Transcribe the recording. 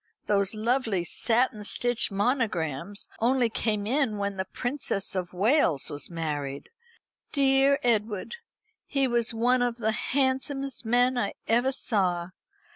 Those lovely satin stitch monograms only came in when the Princess of Wales was married. Dear Edward! He was one of the handsomest men I ever saw.